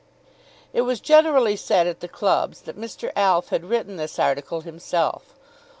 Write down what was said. It was generally said at the clubs that Mr. Alf had written this article himself.